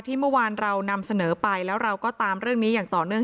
เมื่อวานเรานำเสนอไปแล้วเราก็ตามเรื่องนี้อย่างต่อเนื่อง